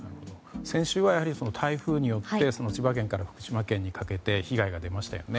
先週は台風によって千葉県から福島県にかけて被害が出ましたよね。